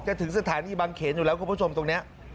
ถึงสถานีบางเขนอยู่แล้วคุณผู้ชมตรงนี้